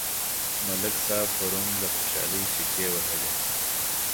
ملک صاحب پرون له خوشحالۍ چکې وهلې.